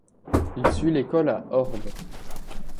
Il suit l'école à Orbe.